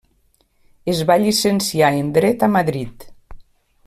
Es va llicenciar en Dret a Madrid.